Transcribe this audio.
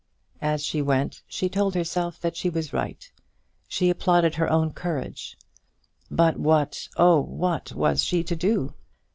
As she went she told herself that she was right; she applauded her own courage, but what, oh! what was she to do?